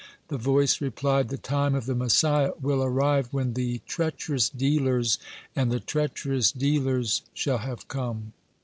the voice replied: "The time of the Messiah will arrive when the 'treacherous dealers and the treacherous dealers' shall have come."